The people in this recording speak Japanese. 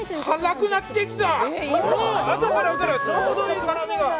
辛くなってきた！